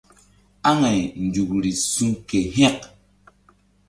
Aŋay nzukri su̧ ke hȩk.